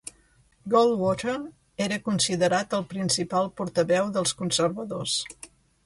Goldwater era considerat el principal portaveu dels conservadors.